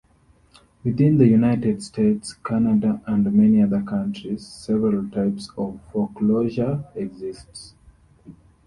Within the United States, Canada and many other countries, several types of foreclosure exist.